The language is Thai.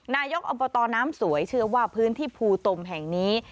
นายกอบตน้ำสวยเชื่อว่าพื้นที่ภูตมแห่งนี้